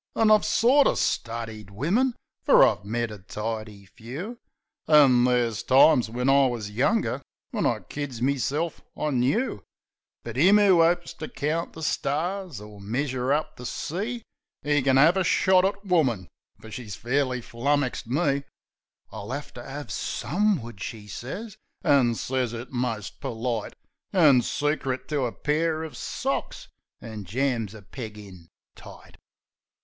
An' I've sort o' studied wimmin fer I've met a tidy few An' there's times, when I wus younger, when I kids meself I knew. But 'im 'oo 'opes to count the stars or measure up the sea, 'E kin 'ave a shot at woman, fer she's fairly flummoxed me ... ("I'll 'ave to 'ave some wood," she sez, an' sez it most perlite An' secret to a pair uv socks; an' jams a peg in, tight.)